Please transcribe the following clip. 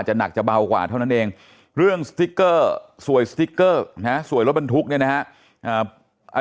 หนักจะเบากว่าเท่านั้นเองเรื่องสติ๊กเกอร์สวยสติ๊กเกอร์นะฮะสวยรถบรรทุกเนี่ยนะฮะ